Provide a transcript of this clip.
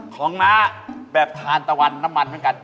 ของน้าแบบทานตะวันน้ำมันเหมือนกัน